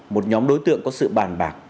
một nhóm đối tượng có sự bàn bạc